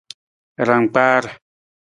Rangkpaar.